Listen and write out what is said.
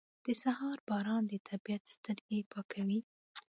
• د سهار باران د طبیعت سترګې پاکوي.